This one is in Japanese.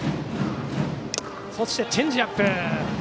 そして、チェンジアップ。